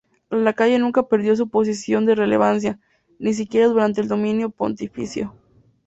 La calle nunca perdió su posición de relevancia, ni siquiera durante el dominio pontificio.